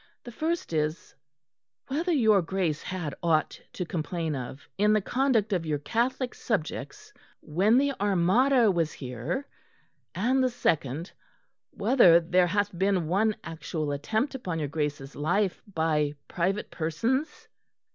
The first is: whether your Grace had aught to complain of in the conduct of your Catholic subjects when the Armada was here; and the second, whether there hath been one actual attempt upon your Grace's life by private persons?"